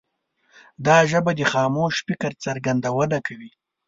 دا ژبه د خاموش فکر څرګندونه کوي.